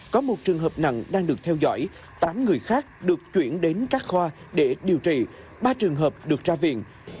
có một trường hợp nặng đang được theo dõi tám người khác được chuyển đến các khoa để điều trị ba trường hợp được ra viện